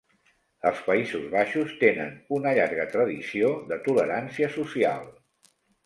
Els Països Baixos tenen una llarga tradició de tolerància social.